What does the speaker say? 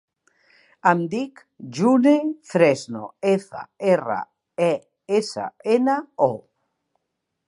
Em dic June Fresno: efa, erra, e, essa, ena, o.